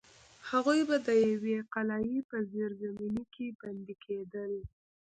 هغوی به د یوې قلعې په زیرزمینۍ کې بندي کېدل.